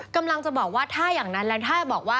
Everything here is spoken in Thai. กำลังจะบอกว่าถ้าอย่างนั้นแล้วถ้าบอกว่า